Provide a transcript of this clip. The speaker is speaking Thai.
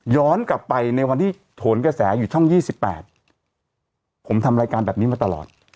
กลับไปในวันที่โถนกระแสอยู่ช่อง๒๘ผมทำรายการแบบนี้มาตลอด